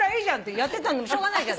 やってたのにしょうがないじゃん。